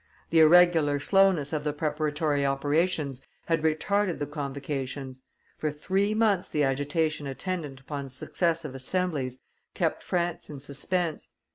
The irregular slowness of the preparatory operations had retarded the convocations; for three months, the agitation attendant upon successive assemblies kept France in suspense.